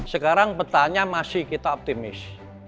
sekarang petanya masih kita optimis